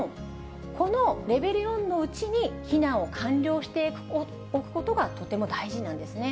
４、このレベル４のうちに避難を完了しておくことがとても大事なんですね。